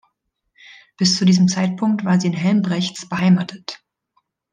Bis zu diesem Zeitpunkt war sie in Helmbrechts beheimatet.